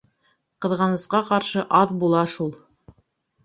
— Ҡыҙғанысҡа ҡаршы, аҙ була шул.